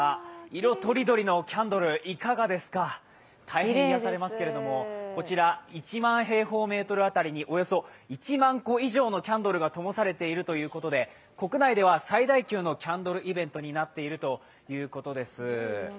色とりどりのキャンドル、いかがですか、大変癒やされますけれどもこちら、１万平方メートル当たりにおよそ１万個以上のキャンドルがともされているということで、国内では最大級のキャンドルイベントになっているということです。